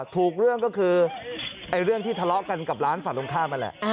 ถูกเรื่องก็คือเรื่องที่ทะเลาะกันกับร้านฝั่งตรงข้ามนั่นแหละ